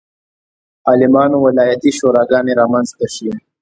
عالمانو ولایتي شوراګانې رامنځته شي.